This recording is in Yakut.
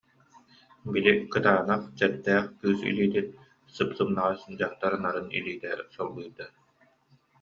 Били кытаанах, чэрдээх кыыс илиитин, сып-сымнаҕас дьахтар нарын илиитэ солбуйда